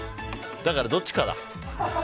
だから、どっちかだ。